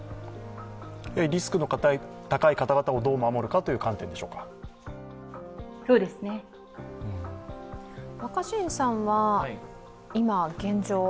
リスクの高い方々をどう守るかという観点でしょうか。